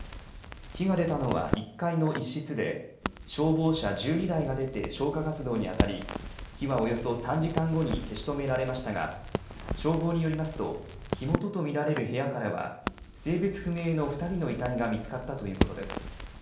火が出たのは１階の一室で、消防車１２台が出て消火活動に当たり、火はおよそ３時間後に消し止められましたが、消防によりますと、火元と見られる部屋からは、性別不明の２人の遺体が見つかったということです。